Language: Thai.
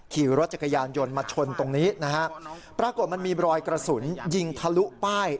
ขี่รถจักรยานยนต์มาชนตรงนี้นะฮะปรากฏมันมีรอยกระสุนยิงทะลุป้าย